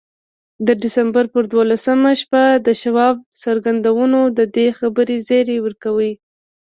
د ډسمبر پر دولسمه شپه د شواب څرګندونو د دې خبرې زيري ورکاوه.